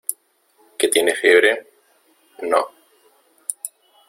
¿ que tiene fiebre? no.